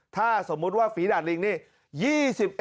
ถ้าสมมุติว่าฝีดาดลิงนี่